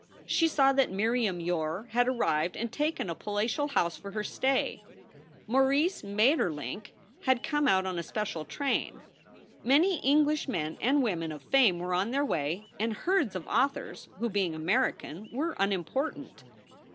She saw that Miriam Yore had arrived and taken a palatial house for her stay. Maurice Maeterlinck had come out on a special train. Many English men and women of fame were on their way, and herds of authors who, being American, were unimportant.